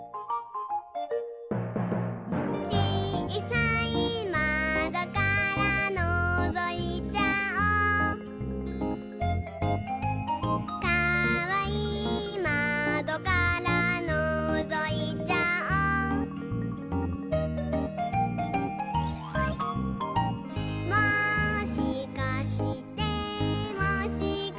「ちいさいまどからのぞいちゃおう」「かわいいまどからのぞいちゃおう」「もしかしてもしかして」